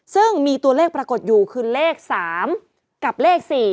ซึ่งมีตัวเลขปรากฏอยู่คือเลข๓กับเลข๔